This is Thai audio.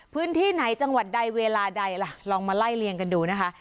พื้นที่ไหนจังหวัดใดเวลาใดล่ะลองมาไล่เลี่ยงกันดูนะคะ